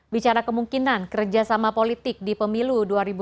bicara kemungkinan kerjasama politik di pemilu dua ribu dua puluh